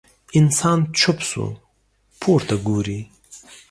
انسان چوپ شو، پورته ګوري.